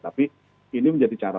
tapi ini menjadi kemampuan